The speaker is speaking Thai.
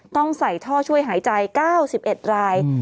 ต้องใส่ท่อช่วยหายใจ๙๑ราย